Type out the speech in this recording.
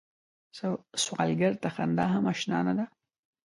سوالګر ته خندا هم اشنا نه ده